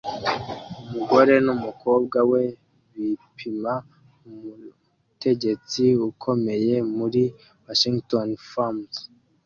Umugore numukobwa we bipima umutegetsi ukomeye muri "Washington Farms"